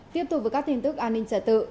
tiếp tục với các tin tức an ninh trả tự